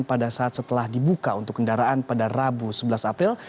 pada saat setelah dibuka untuk kendaraan pada rabu sebelas april